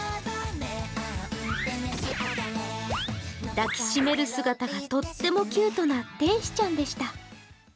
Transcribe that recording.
抱きしめる姿がとってもキュートな天使ちゃんでした。